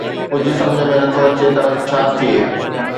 ڪجهه سمجهه ۾ نه ٿو اچي ته ڇا ٿئي